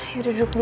yaudah duduk dulu